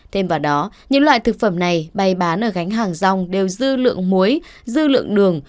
thêm vào đó những loại thực phẩm này bày bán ở gánh hàng rong đều dư lượng muối dư lượng đường